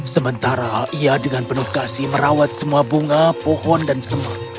sementara ia dengan penuh kasih merawat semua bunga pohon dan semut